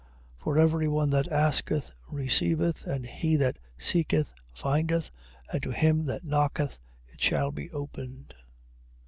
7:8. For every one that asketh, receiveth: and he that seeketh, findeth: and to him that knocketh, it shall be opened.